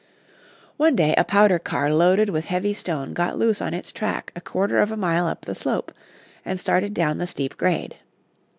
One day a powder car loaded with heavy stone got loose on its track a quarter of a mile up the slope, and started down the steep grade.